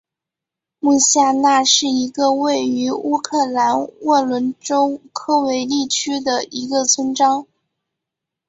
穆夏那是一个位于乌克兰沃伦州科韦利区的一个村庄。